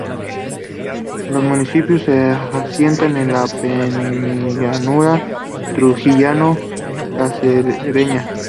Los municipios se asientan en la penillanura Trujillano-Cacereña.